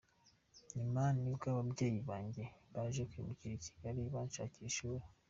Nyuma nibwo ababyeyi banjye baje kwimukira I Kigali banshakira ishuli.